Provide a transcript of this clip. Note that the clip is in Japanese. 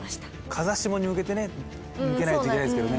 風下に向けてね向けないといけないですけどね。